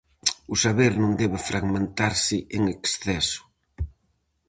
O saber non debe fragmentarse en exceso.